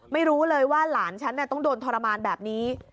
ไม่รู้เลยว่าหลานฉันต้องโดนทรมานแบบนี้